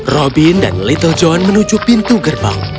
robin dan little john menuju pintu gerbang